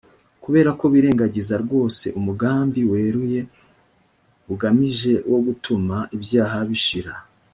kubera ko birengagiza rwose umugambi weruye bugamije wo gutuma ibyaha bishira